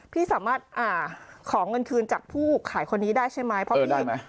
พี่สามารถขอเงินคืนจากผู้ขายคนนี้ได้ใช่ไหมเพราะพี่